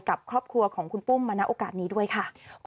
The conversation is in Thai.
กับครอบครัวของคุณปุ้มมาณโอกาสนี้ด้วยค่ะ